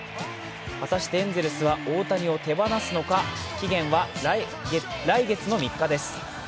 果たしてエンゼルスは大谷を手放せるのか、期限は来月３日です。